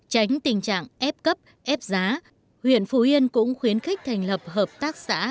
tránh tình trạng ép cấp ép giá huyện phú yên cũng khuyến khích thành lập hợp tác xã